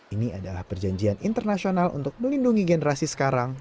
ini adalah perjanjian internasional untuk melindungi generasi sekarang